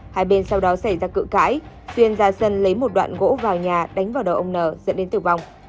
hai bên sau đó xảy ra cự cãi xuyên ra sân lấy một đoạn gỗ vào nhà đánh vào đầu ông n dẫn đến tử vong